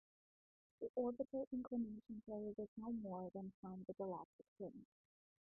The orbital inclination carries it no more than from the galactic plane.